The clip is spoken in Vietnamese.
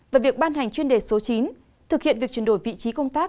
về việc ban hành chuyên đề số chín thực hiện việc chuyển đổi vị trí công tác